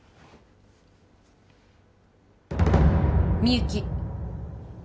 みゆき